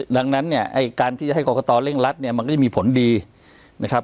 ดังนั้นเนี่ยไอ้การที่จะให้กรกตเร่งรัดเนี่ยมันก็จะมีผลดีนะครับ